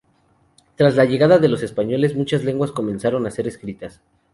Tras la llegada de los españoles, muchas lenguas comenzaron a ser escritas.